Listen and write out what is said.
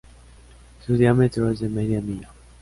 Su diámetro es de media milla.